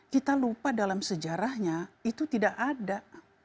kita lupa dalam sejarahnya itu tidak ada